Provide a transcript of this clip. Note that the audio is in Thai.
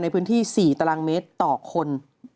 ในพื้นที่๔ตารางเมตรต่อคน